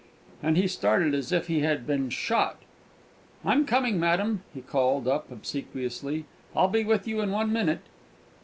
And he started as if he had been shot. "I'm coming, madam," he called up, obsequiously. "I'll be with you in one minute!"